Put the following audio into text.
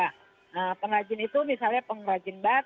pengrajin itu misalnya pengrajin batik atau misalnya pengrajin tenun aksesori